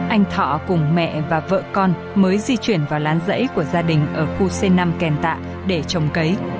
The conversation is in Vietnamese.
anh thọ cùng mẹ và vợ con mới di chuyển vào lán rẫy của gia đình ở khu c năm kèn tạ để trồng cấy